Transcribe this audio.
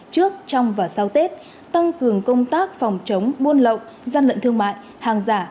trước trong và sau tết tăng cường công tác phòng chống buôn lậu gian lận thương mại hàng giả